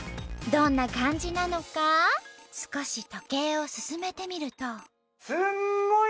どんな感じなのか少し時計を進めてみると。